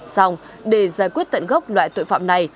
xong để giải quyết tận gốc loại tội phạm này